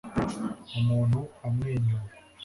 umuntu amwenyura